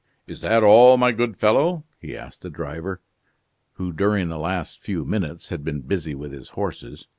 "Is that all, my good fellow?" he asked the driver, who during the last few minutes had been busy with his horses.